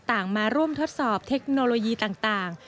มาร่วมทดสอบเทคโนโลยีต่าง